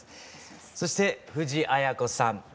そして藤あや子さん。